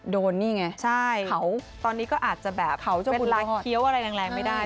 โดนนี่ไงใช่เขาตอนนี้ก็อาจจะแบบเขาจะเคี้ยวอะไรแรงไม่ได้